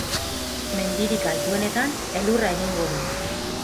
Mendirik altuenetan elurra egingo du.